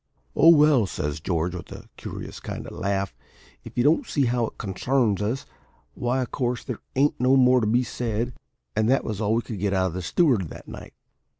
"`Oh, well,' says George, with a curious kind of a laugh, `if you don't see as how it concarns us, why of course there ain't no more to be said.' And that was all we could get out of the steward that night.